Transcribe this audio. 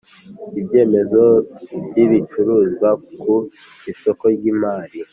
Ibyemezo by ibicuruzwa ku isoko ry imari